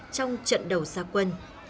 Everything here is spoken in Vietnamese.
trong trận đầu gia quân